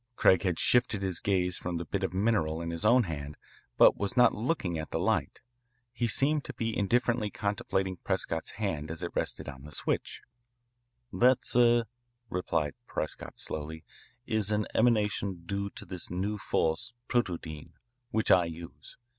Craig had shifted his gaze from the bit of mineral in his own hand, but was not looking at the light. He seemed to be indifferently contemplating Prescott's hand as it rested on the switch. "That, sir," replied Prescott slowly, "is an emanation due to this new force, protodyne, which I use.